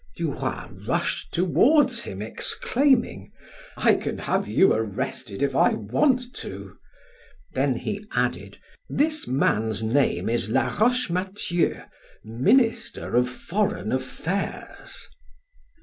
Du Roy rushed toward him exclaiming: "I can have you arrested if I want to!" Then he added: "This man's name is Laroche Mathieu, minister of foreign affairs."